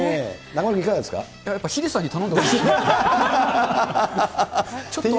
中丸君、やっぱりヒデさんに頼んでほしいなと。